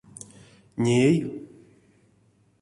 Ней?